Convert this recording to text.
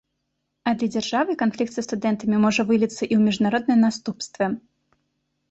А для дзяржавы канфлікт са студэнтамі можа выліцца і ў міжнародныя наступствы.